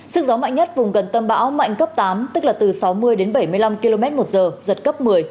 sức gió mạnh nhất vùng gần tâm bão mạnh cấp tám tức là từ sáu mươi đến bảy mươi năm km một giờ giật cấp một mươi